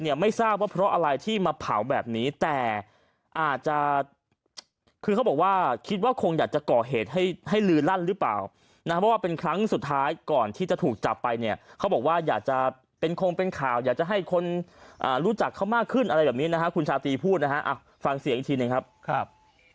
ไม่ทราบว่าเพราะอะไรที่มาเผาแบบนี้แต่อาจจะคือเขาบอกว่าคิดว่าคงอยากจะก่อเหตุให้ให้ลือลั่นหรือเปล่านะเพราะว่าเป็นครั้งสุดท้ายก่อนที่จะถูกจับไปเนี่ยเขาบอกว่าอยากจะเป็นคงเป็นข่าวอยากจะให้คนรู้จักเขามากขึ้นอะไรแบบนี้นะฮะคุณชาตรีพูดนะฮะฟังเสียงอีกทีหนึ่งครับครับ